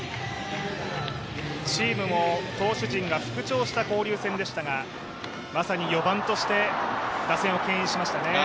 チームも投手陣が復調した交流戦でしたが、まさに４番として打線をけん引しましたよね。